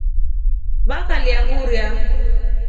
Vakalya ngurya.